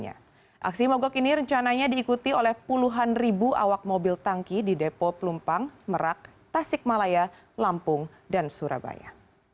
aksi mogok ini rencananya diikuti oleh puluhan ribu awak mobil tangki di depo pelumpang merak tasik malaya lampung dan surabaya